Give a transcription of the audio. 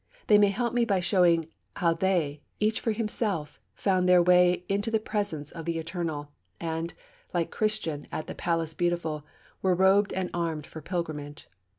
They may help me by showing me how they each for himself found their way into the presence of the Eternal and, like Christian at the Palace Beautiful, were robed and armed for pilgrimage.